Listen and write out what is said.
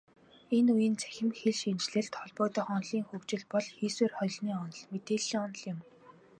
Энэ үеийн цахим хэлшинжлэлд холбогдох онолын хөгжил бол хийсвэр хэлний онол, мэдээллийн онол юм.